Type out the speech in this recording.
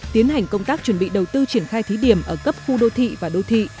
tiến hành công tác chuẩn bị đầu tư triển khai thí điểm ở cấp khu đô thị và đô thị